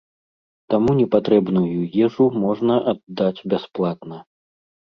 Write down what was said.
Таму непатрэбную ежу можна аддаць бясплатна.